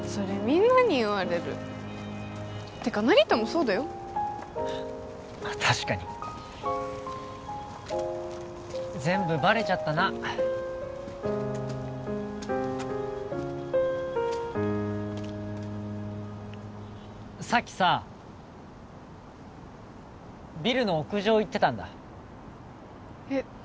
みんなに言われるってか成田もそうだよまあ確かに全部バレちゃったなさっきさビルの屋上行ってたんだえっ